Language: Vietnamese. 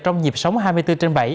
trong dịp sống hai mươi bốn trên bảy